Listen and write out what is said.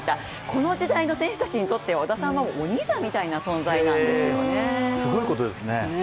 この時代の選手たちにとって織田さんはお兄さんみたいな存在なんですよね。